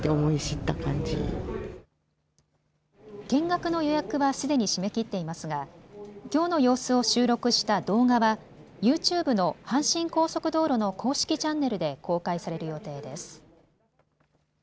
見学の予約はすでに締め切っていますがきょうの様子を収録した動画はユーチューブの阪神高速道路の公式チャンネルで公開される予定です。